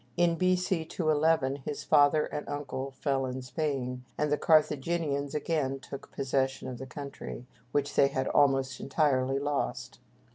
In B.C. 211 his father and uncle fell in Spain, and the Carthaginians again took possession of the country, which they had almost entirely lost.